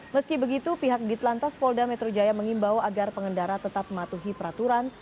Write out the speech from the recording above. meski begitu pihak ditlantas polda metro jaya mengimbau agar pengendara tetap mematuhi peraturan